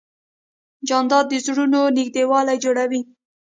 جانداد د زړونو نږدېوالی جوړوي.